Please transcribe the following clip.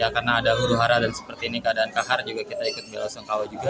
karena ada huru hara dan seperti ini keadaan kahar juga kita ikut melosong kawah juga